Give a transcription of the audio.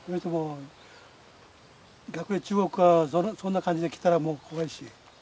逆に中国がそんな感じできたらもう怖いし。